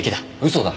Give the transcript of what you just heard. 嘘だ。